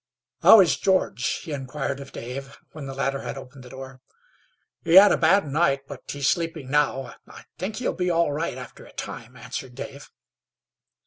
"How is George?" he inquired of Dave, when the latter had opened the door. "He had a bad night, but is sleeping now. I think he'll be all right after a time," answered Dave.